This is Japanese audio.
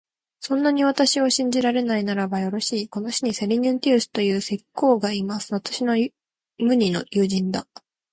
そんなに私を信じられないならば、よろしい、この市にセリヌンティウスという石工がいます。私の無二の友人だ。